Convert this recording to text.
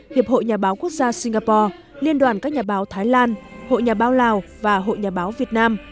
hiệp hội nhà báo quốc gia singapore liên đoàn các nhà báo thái lan hội nhà báo lào và hội nhà báo việt nam